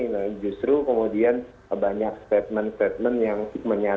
nah justru kemudian banyak statement statement yang menyatakan